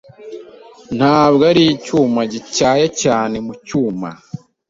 Ntabwo ari icyuma gityaye cyane mu cyuma.